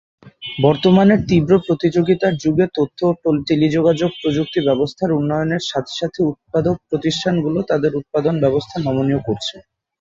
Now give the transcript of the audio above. বর্তমানের তীব্র প্রতিযোগিতার যুগে, তথ্য ও টেলিযোগাযোগ প্রযুক্তি ব্যবস্থার উন্নয়নের সাথে সাথে উৎপাদক প্রতিষ্ঠানগুলি তাদের উৎপাদন ব্যবস্থা নমনীয় করেছে।